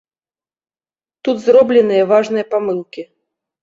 Тут зробленыя важныя памылкі.